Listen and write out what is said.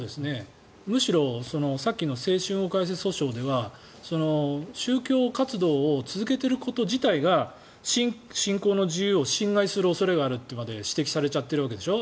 むしろさっきの訴訟では宗教活動を続けていること自体が信仰の自由を侵害する恐れがあると指摘されちゃってるわけでしょ。